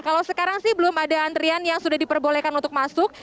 sebenarnya gerbang sih belum ada antrean yang sudah diperbolehkan untuk masuk